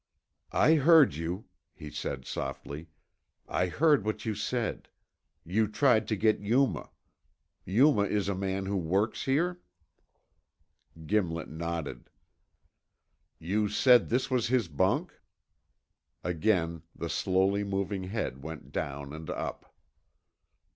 "I heard you," he said softly, "I heard what you said. You tried to get Yuma. Yuma is a man who works here?" Gimlet nodded. "You said this was his bunk?" Again the slowly moving head went down and up.